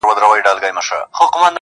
وطن به څه د ارتکا سندره وزيږوي